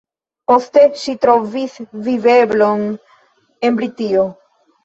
Poste ŝi trovis viveblon en Britio.